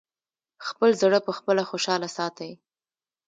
خپل زړه پخپله خوشاله ساتی!